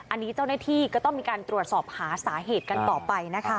อันนี้เจ้าหน้าที่ก็ต้องมีการตรวจสอบหาสาเหตุกันต่อไปนะคะ